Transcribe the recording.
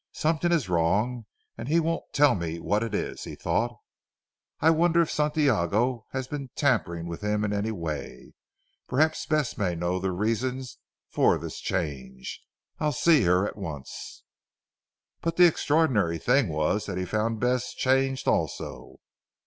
"Something is wrong and he won't tell me what it is," he thought, "I wonder if Santiago has been tampering with him in any way. Perhaps Bess may know the reason for this change. I'll see her at once." But the extraordinary thing was that he found Bess changed also.